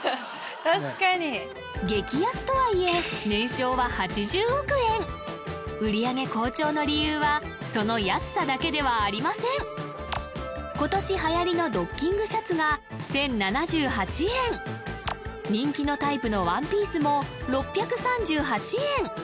確かに激安とはいえ売り上げ好調の理由はその安さだけではありません今年はやりのドッキングシャツが１０７８円人気のタイプのワンピースも６３８円